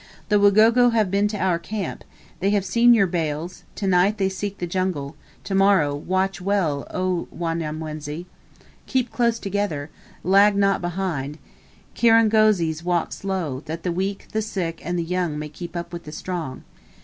The Wagogo have been to our camp, they have seen your bales; to night they seek the jungle: to morrow watch well, O Wanyamwezi! Keep close together, lag not behind! Kirangozis walk slow, that the weak, the sick, and the young may keep up with the strong!